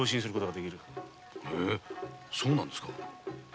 へぇそうなんですか？